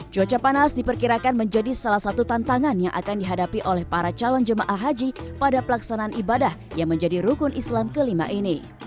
cuaca panas diperkirakan menjadi salah satu tantangan yang akan dihadapi oleh para calon jemaah haji pada pelaksanaan ibadah yang menjadi rukun islam kelima ini